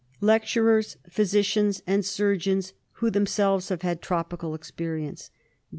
Lecturers, physicians, and surgeons who themselves have had tropical experience.